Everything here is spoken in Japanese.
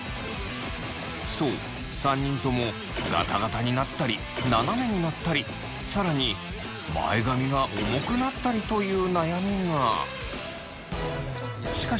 そう３人ともガタガタになったりななめになったり更に前髪が重くなったりという悩みが。